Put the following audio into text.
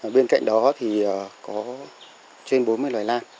bên cạnh đó thì có trên bốn mươi loài lan